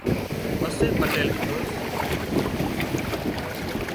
پسي پٽيل هروز